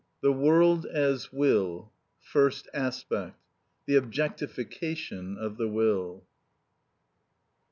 THE WORLD AS WILL. First Aspect. The Objectification Of The Will.